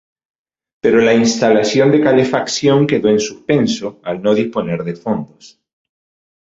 Pero la instalación de calefacción quedó en suspenso al no disponer de fondos.